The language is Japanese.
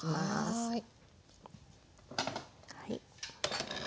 はい。